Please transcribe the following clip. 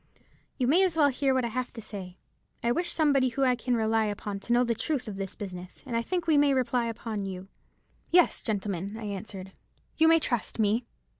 'You may as well hear what I have to say. I wish somebody whom I can rely upon to know the truth of this business, and I think we may rely upon you.' "'Yes, gentlemen,' I answered, 'you may trust me.'